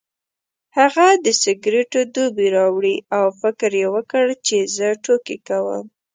هغه د سګرټو ډبې راوړې او فکر یې وکړ چې زه ټوکې کوم.